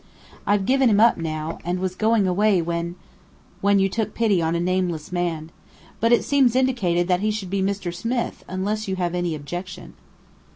I've given him up now, and was going away when " "When you took pity on a nameless man. But it seems indicated that he should be Mr. Smith, unless you have any objection!"